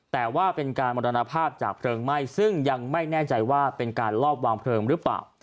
แต่ว่าเป็นการมรณภาพจากเพลิงไหม้ซึ่งยังไม่แน่ใจว่าเป็นการลอบวางเพลิงหรือเปล่า